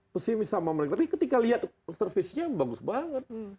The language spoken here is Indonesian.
pesimis sama mereka tapi ketika lihat servisnya bagus banget